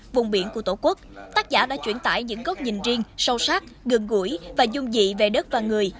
vùng biển của tổ quốc tác giả đã chuyển tải những góc nhìn riêng sâu sắc gần gũi và dung dị về đất và người